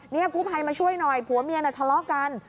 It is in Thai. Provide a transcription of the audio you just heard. นี่กู้ภัยมาช่วยหน่อยผัวเมียน่ะทะเลาะกัน